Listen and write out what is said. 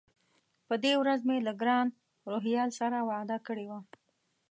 په دې ورځ مې له ګران روهیال سره وعده کړې وه.